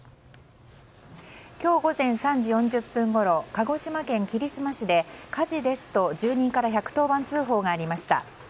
今日午前３時４０分ごろ鹿児島県霧島市で火事ですと住人から１１０番通報がありました。